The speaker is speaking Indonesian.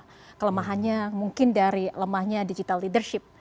untuk ditambah kelemahannya mungkin dari lemahnya digital leadership